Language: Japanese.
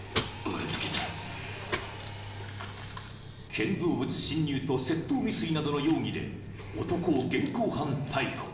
［建造物侵入と窃盗未遂などの容疑で男を現行犯逮捕］